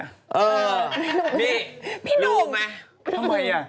เออพี่รู้มั้ยทำไมล่ะพี่หนุ่ม